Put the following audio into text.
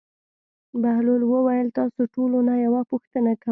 بهلول وویل: تاسو ټولو نه یوه پوښتنه کوم.